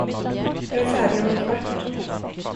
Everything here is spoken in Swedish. Jag är färdig om en kvart.